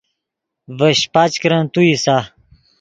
ڤے شیپچ کرن تو اِیسا